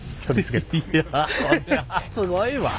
すごいわ。